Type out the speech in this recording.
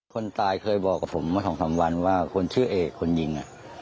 คนตายเคยบอกกับผมมา๒๓วันว่าคนชื่อเอกคนยิง